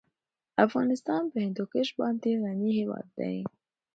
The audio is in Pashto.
افغانستان په هندوکش باندې غني هېواد دی.